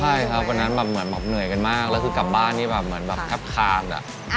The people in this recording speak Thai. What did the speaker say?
ใช่ครับวันนั้นแบบเหมือนแบบเหนื่อยกันมากแล้วคือกลับบ้านนี่แบบเหมือนแบบแคบคาน